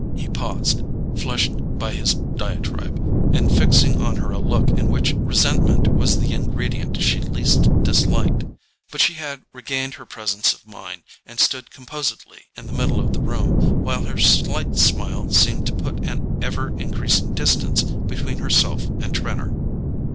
He paused, flushed by his diatribe, and fixing on her a look in which resentment was the ingredient she least disliked. But she had regained her presence of mind, and stood composedly in the middle of the room, while her slight smile seemed to put an ever increasing distance between herself and Trenor.